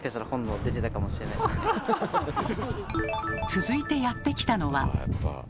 続いてやって来たのは。